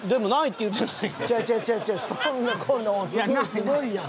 すごいやん。